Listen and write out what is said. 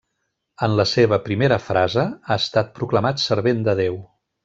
En la seva primera frase, ha estat proclamat servent de Déu.